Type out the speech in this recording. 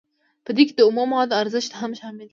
په دې کې د اومو موادو ارزښت هم شامل دی